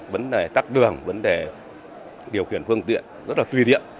vấn đề tắt đường vấn đề điều kiện phương tiện rất là tùy điện